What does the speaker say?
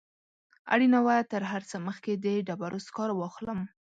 اړینه وه تر هر څه مخکې د ډبرو سکاره واخلم.